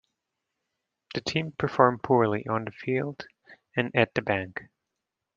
The team performed poorly on the field and at the bank.